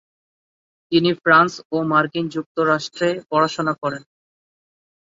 তিনি ফ্রান্স ও মার্কিন যুক্তরাষ্ট্রে পড়াশোনা করেন।